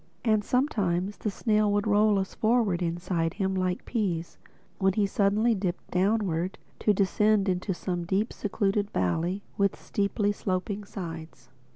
And sometimes the snail would roll us forward inside him like peas, when he suddenly dipped downward to descend into some deep secluded valley with steeply sloping sides.